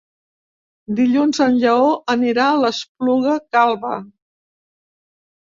Dilluns en Lleó anirà a l'Espluga Calba.